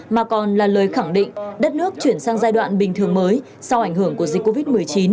mà còn là lời khẳng định đất nước chuyển sang giai đoạn bình thường mới sau ảnh hưởng của dịch covid một mươi chín